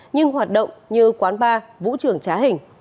nhưng hoạt động như quán bar vũ trường trá hình